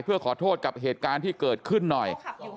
เพื่อขอโทษกับเหตุการณ์ที่เกิดขึ้นหน่อย